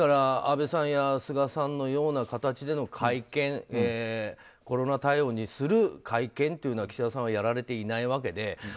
安倍さんや菅さんのような形での会見コロナ対応にする会見というのを岸田さんはやられていないわけで。